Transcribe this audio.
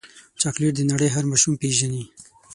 چاکلېټ د نړۍ هر ماشوم پیژني.